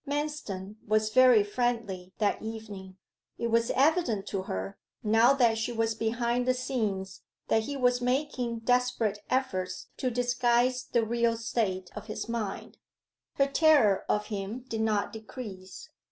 Manston was very friendly that evening. It was evident to her, now that she was behind the scenes, that he was making desperate efforts to disguise the real state of his mind. Her terror of him did not decrease.